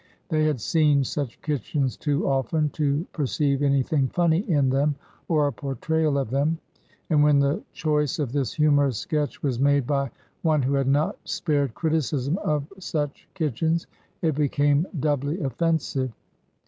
They had seen such kitchens too often to perceive anything funny in them or a portrayal of them. And when the choice of this humorous sketch was made by one who had not spared criticism of such kitch ens, it became doubly offensive.